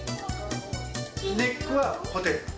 ネックはホテル。